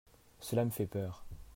cela me fait peur.